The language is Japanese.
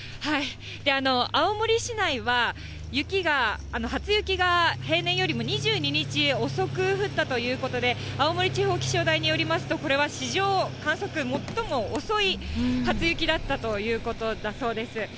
青森市内は雪が、初雪が平年よりも２２日遅く降ったということで、青森地方気象台によりますと、これは史上観測最も遅い初雪だったということだそうです。